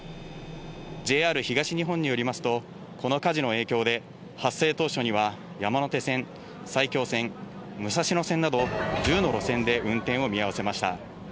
ＪＲ東日本によりますと、この火事の影響で、発生当初には、山手線、埼京線、武蔵野線など、１０の路線で運転を見合わせました。